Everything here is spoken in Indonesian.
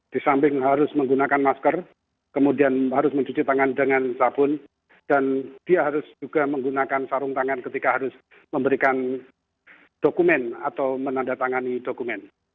di samping harus menggunakan masker kemudian harus mencuci tangan dengan sabun dan dia harus juga menggunakan sarung tangan ketika harus memberikan dokumen atau menandatangani dokumen